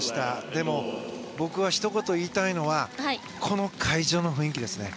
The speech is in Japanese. でも僕がひと言、言いたいのはこの会場の雰囲気ですね。